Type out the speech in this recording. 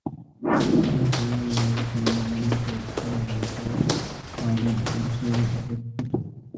তিনি জিও নিউজে সান্ধ্যকালীন টক শো "রিপোর্ট কার্ডের" বর্তমান উপস্থাপক।